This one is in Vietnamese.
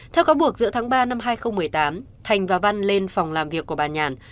theo cáo buộc giữa tháng ba năm hai nghìn một mươi tám thành và văn lên phòng làm việc của bà nhàn